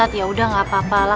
ustadz yaudah gak apa apalah